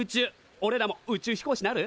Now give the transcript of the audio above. おれらも宇宙飛行士なる？